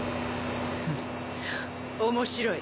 フッ面白い！